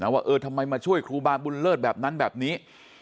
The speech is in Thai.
ว่าเออทำไมมาช่วยครูบาบุญเลิศแบบนั้นแบบนี้